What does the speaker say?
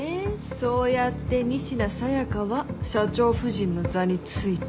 そうやって仁科紗耶香は社長夫人の座に就いた。